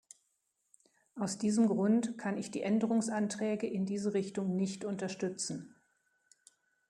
Aus diesem Grund kann ich die Änderungsanträge in diese Richtung nicht unterstützen.